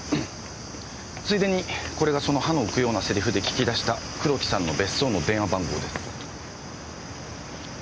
ついでにこれがその歯の浮くようなセリフで聞き出した黒木さんの別荘の電話番号です。